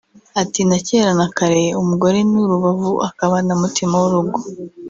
Ati “Na kera na kare umugore ni urubavu akaba na mutima w’urugo